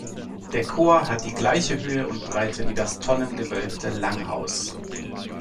Der Chor hat die gleiche Höhe und Breite wie das tonnengewölbte Langhaus.